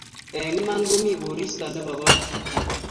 eng iman ko mi koristo nebo kaititiet